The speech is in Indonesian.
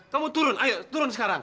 kamu turun ayo turun sekarang